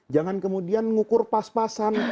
jangan kemudian ngukur pas pasan